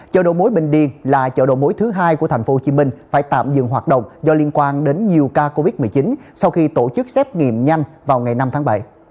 chợ đầu mối bình điên là chợ đầu mối thứ hai của tp hcm phải tạm dừng hoạt động do liên quan đến nhiều ca covid một mươi chín sau khi tổ chức xét nghiệm nhanh vào ngày năm tháng bảy